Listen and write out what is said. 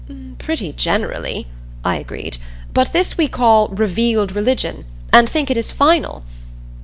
"Pretty generally," I agreed. "But this we call 'revealed religion,' and think it is final.